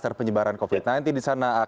ter penyebaran covid sembilan belas di sana